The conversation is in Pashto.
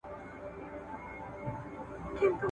سياست به د پخوا په څېر خوځنده وي.